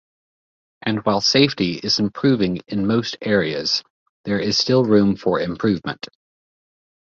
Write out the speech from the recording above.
And while safety is improving in most areas, there is still room for improvement.